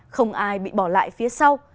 không ai bị bỏ lại phía sau